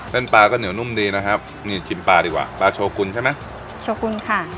ปลาก็เหนียวนุ่มดีนะครับนี่ชิมปลาดีกว่าปลาโชกุลใช่ไหมโชกุลค่ะ